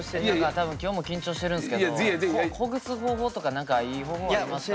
多分今日も緊張してるんすけどほぐす方法とか何かいい方法ありますか？